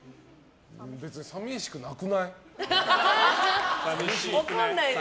別に寂しくなくない？